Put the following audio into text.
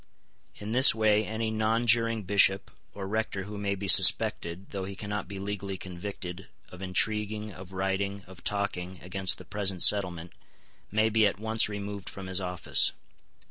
In this way any nonjuring bishop or rector who may be suspected, though he cannot be legally convicted, of intriguing, of writing, of talking, against the present settlement, may be at once removed from his office.